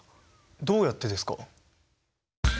どうやってですか？